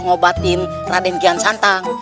ngebati raden kian santang